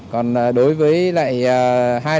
còn đối với lại